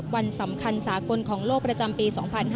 วันสำคัญสากลของโลกประจำปี๒๕๕๙